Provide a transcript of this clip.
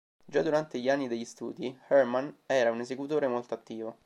Già durante gli anni degli studi, Hermann era un esecutore molto attivo.